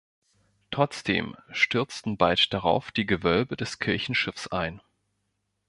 Trotzdem stürzten bald darauf die Gewölbe des Kirchenschiffs ein.